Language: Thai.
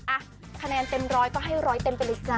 อ่ะคะแนนเต็มร้อยก็ให้ร้อยเต็มไปเลยจ้